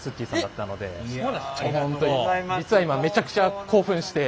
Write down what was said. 実は今めちゃくちゃ興奮して。